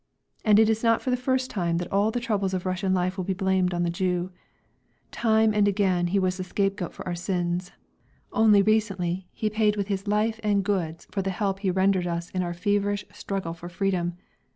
And it is not for the first time that all the troubles of Russian life will be blamed on the Jew; time and again was he the scapegoat for our sins. Only recently he paid with his life and goods for the help he rendered us in our feverish struggle for freedom.